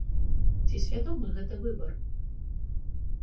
Ці свядомы гэта выбар?